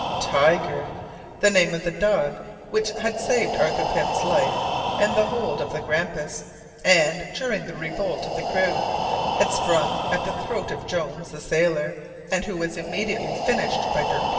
Tiger! the name of the dog which had saved Arthur Pym's life in the hold of the Grampus, and, during the revolt of the crew, had sprung at the throat of Jones, the sailor, who was immediately "finished" by Dirk Peters.